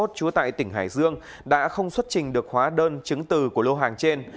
trú tại tỉnh hải dương đã không xuất trình được hóa đơn chứng từ của lô hàng trên